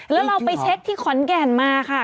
แล้วเราไปเช็คที่ขอนแก่นมาค่ะ